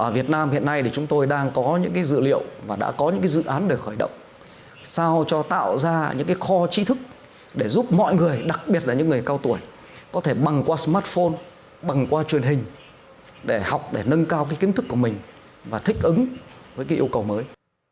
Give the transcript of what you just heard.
việt nam hiện nay thì chúng tôi đang có những dữ liệu và đã có những dự án để khởi động sao cho tạo ra những kho trí thức để giúp mọi người đặc biệt là những người cao tuổi có thể bằng qua smartphone bằng qua truyền hình để học để nâng cao kiến thức của mình và thích ứng với cái yêu cầu mới